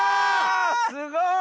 すごい！